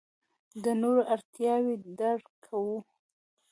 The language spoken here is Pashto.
د نورو اړتیاوې درک کوو.